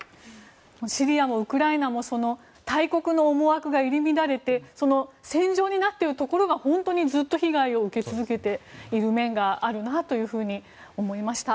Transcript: シリアもウクライナも大国の思惑が入り乱れて戦場になっているところはずっと被害を受け続けている面があるなというふうに思いました。